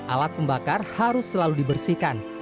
alat pembakar harus selalu dibersihkan